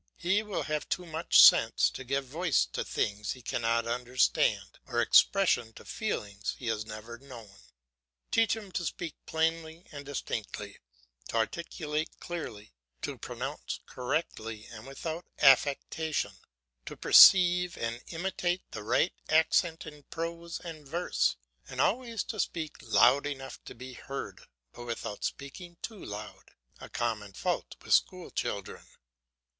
He will have too much sense to give voice to things he cannot understand, or expression to feelings he has never known. Teach him to speak plainly and distinctly, to articulate clearly, to pronounce correctly and without affectation, to perceive and imitate the right accent in prose and verse, and always to speak loud enough to be heard, but without speaking too loud a common fault with school children.